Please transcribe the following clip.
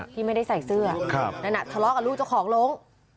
ที่ไม่ได้ใส่เสื้อทะเลาะกับลูกเจ้าของหลง